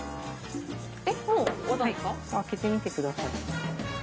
開けてみてください。